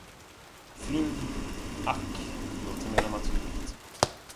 Fru. Ack, det låter mera naturligt.